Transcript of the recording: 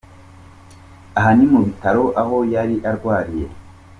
Aha ni mu bitaro aho yari arwariye.